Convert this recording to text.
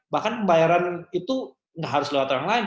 bahkan pembayaran itu tidak harus lewat orang lain